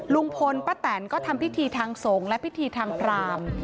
ลุงพลป้าแตนก็ทำพิธีทางสงฆ์และพิธีทางพราม